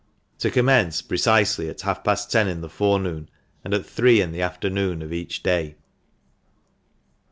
To commence precisely at half past ten in the forenoon, and at three in the afternoon of each day.